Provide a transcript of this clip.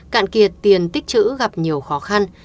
cạn kiệt tiền tích chữ gặp nhiều khó khăn